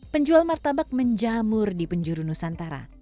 penjual martabak menjamur di penjuru nusantara